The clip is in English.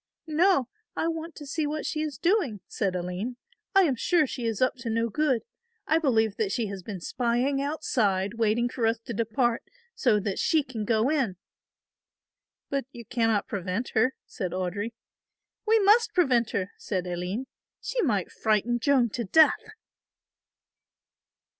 "No, I want to see what she is doing," said Aline; "I am sure she is up to no good. I believe that she has been spying outside waiting for us to depart, so that she can go in." "But you cannot prevent her," said Audry. "We must prevent her," said Aline; "she might frighten Joan to death."